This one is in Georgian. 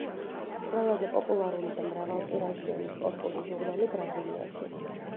ყველაზე პოპულარული და მრავალტირაჟიანი სპორტული ჟურნალი ბრაზილიაში.